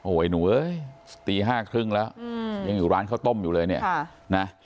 โอ้ยหนูเอ้ยตีห้าครึ่งแล้วยังอยู่ร้านข้าวต้มอยู่เลยเนี่ย